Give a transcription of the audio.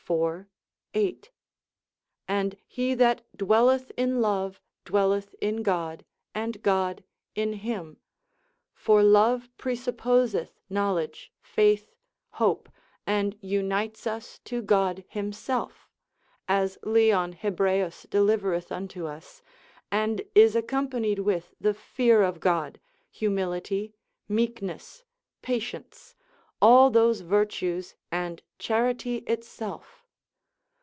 iv. 8, and he that dwelleth in love, dwelleth in God, and God in him; for love pre supposeth knowledge, faith, hope, and unites us to God himself, as Leon Hebreus delivereth unto us, and is accompanied with the fear of God, humility, meekness, patience, all those virtues, and charity itself.